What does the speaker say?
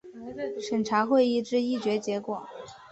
审查会议之议决结果